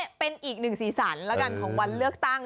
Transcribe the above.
นี่เป็นอีกหนึ่งสีสันแล้วกันของวันเลือกตั้ง